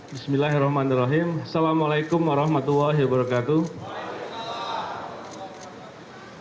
bismillahirrahmanirrahim assalamualaikum warahmatullahi wabarakatuh